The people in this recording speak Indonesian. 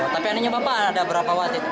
tapi ininya bapak ada berapa wasit